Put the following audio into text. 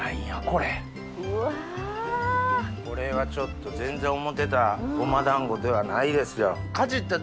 これはちょっと全然思ってたごま団子ではないですよ。